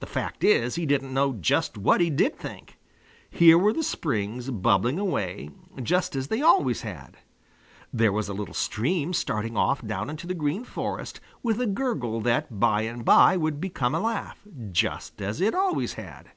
The fact is, he didn't know just what he did think. Here were the springs bubbling away just as they always had. There was the little stream starting off down into the Green Forest with a gurgle that by and by would become a laugh, just as it always had.